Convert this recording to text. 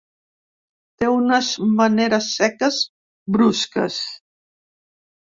Té unes maneres seques, brusques.